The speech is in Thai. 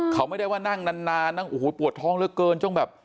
เขาไม่ได้ว่านั่งนานนั่งโอ้โหปวดท้องเหลือเกินจนแบบ